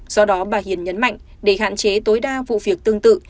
do đó bà hiền nhấn mạnh để hạn chế tối đa vụ việc tương tự